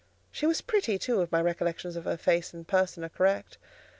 She was pretty too, if my recollections of her face and person are correct.